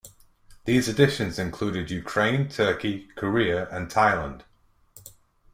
These editions included Ukraine, Turkey, Korea and Thailand.